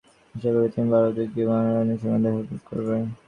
আশা করি, তুমি বরোদায় গিয়ে মহারাণীর সঙ্গে দেখা করবে।